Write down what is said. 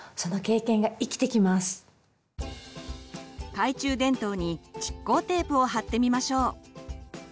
懐中電灯に蓄光テープを貼ってみましょう。